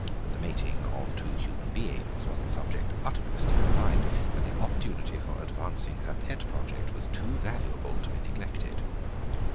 The mating of two human beings was the subject uppermost in her mind, and the opportunity for advancing her pet project was too valuable to be neglected.